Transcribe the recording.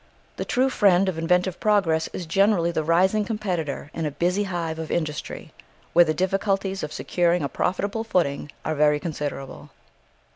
The true friend of inventive progress is generally the rising competitor in a busy hive of industry where the difficulties of securing a profitable footing are very considerable.